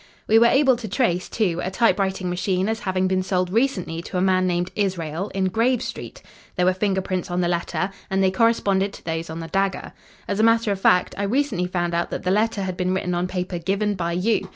We were able to trace, too, a typewriting machine as having been sold recently to a man named Israel, in Grave Street, There were finger prints on the letter, and they corresponded to those on the dagger. As a matter of fact, I recently found out that the letter had been written on paper given by you.